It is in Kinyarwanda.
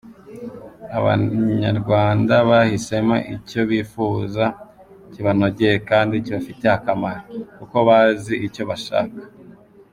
Abanayarwanda bahisemo icyo bifuza kibanogeye kandi kibafitiye akamaro, kuko bazi icyo bashaka.